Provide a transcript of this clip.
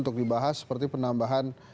untuk dibahas seperti penambahan